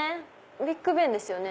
ビッグベンですよね。